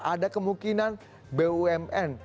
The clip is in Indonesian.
ada kemungkinan bumn